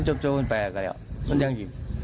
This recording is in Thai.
จบแปลกันแล้วมันยังอยู่